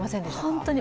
本当に。